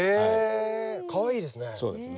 かわいいですね。